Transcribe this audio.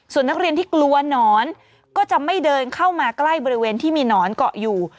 ส่วนนักเรียนที่กลัวหนอนก็จะไม่เดินเข้ามาใกล้บริเวณที่มีหนอนเกาะอยู่